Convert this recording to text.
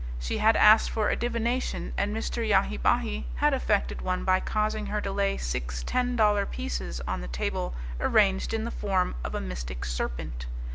She had asked for a divination, and Mr. Yahi Bahi had effected one by causing her to lay six ten dollar pieces on the table arranged in the form of a mystic serpent.